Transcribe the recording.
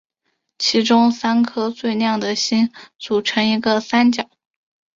其中三颗最亮的星组成一个三角。